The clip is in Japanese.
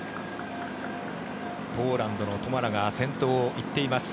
ポーランドのトマラが先頭を行っています。